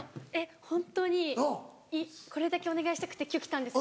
本当にこれだけお願いしたくて今日来たんですけど。